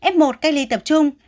f một cách ly tập trung